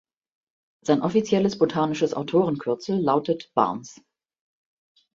Sein offizielles botanisches Autorenkürzel lautet „Barnes“.